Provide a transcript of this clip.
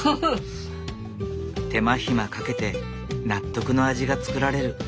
手間暇かけて納得の味が作られる。